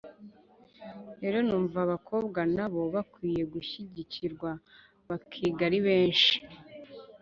rero numva abakobwa na bo bakwiye gushyigikirwa bakiga ari benshi,